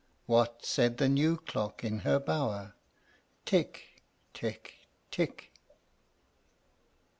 What said the new clock in her bower? "Tick, tick, tick!"